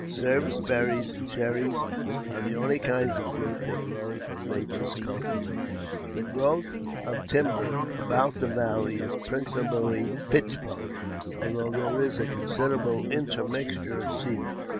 Service berries and cherries are the only kinds of fruit that grow from nature's •cultivation. ^^ The growth of timber about the valley is principally pitch pine, although there is a considerable intermixture of cedar.